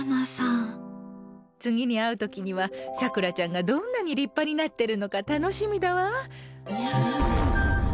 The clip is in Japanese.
次に会う時にはさくらちゃんがどんなに立派になってるのか楽しみだわ。